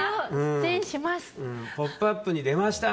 「ポップＵＰ！」に出ました！